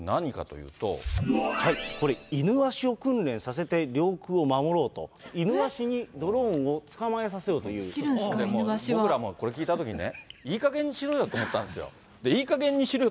これ、イヌワシを訓練させて領空を守ろうと、イヌワシにドローンをつか僕らも、これ聞いたときにね、いいかげんにしろよと思ったんですよ。